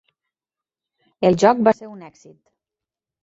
El joc va ser un èxit.